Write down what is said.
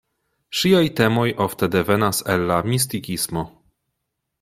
Ŝiaj temoj ofte devenas el la mistikismo.